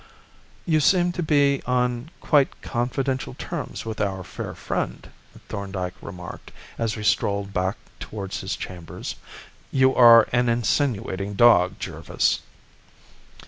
"You seem to be on quite confidential terms with our fair friend," Thorndyke remarked, as we strolled back towards his chambers. "You are an insinuating dog, Jervis."